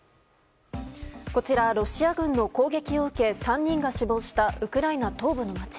こちら、ロシア軍の攻撃を受け３人が死亡したウクライナ東部の街。